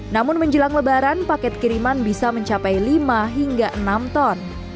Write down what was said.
namun menjelang lebaran paket kiriman bisa mencapai lima hingga enam ton